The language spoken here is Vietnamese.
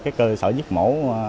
cái cơ sở giết mổ